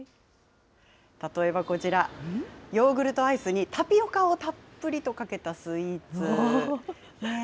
例えばこちら、ヨーグルトアイスにタピオカをたっぷりとかけたスイーツ。